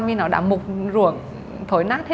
vì nó đã mục ruộng thối nát hết rồi